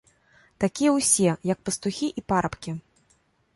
Такія ўсе, як пастухі і парабкі!